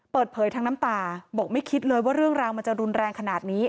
เปิดเผยทั้งน้ำตาบอกไม่คิดเลยว่าเรื่องราวมันจะรุนแรงขนาดนี้